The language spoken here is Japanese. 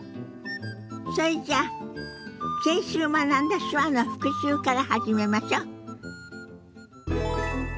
それじゃあ先週学んだ手話の復習から始めましょ。